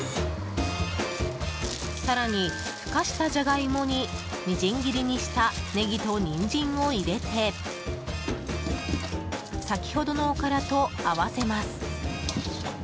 更に、ふかしたジャガイモにみじん切りにしたネギとニンジンを入れて先ほどのおからと合わせます。